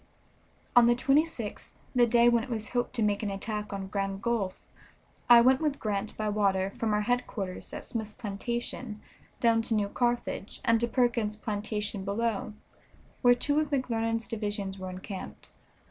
On the 26th, the day when it was hoped to make an attack on Grand Gulf, I went with Grant by water from our headquarters at Smith's plantation down to New Carthage and to Perkins's plantation below, where two of McClernand's divisions were encamped.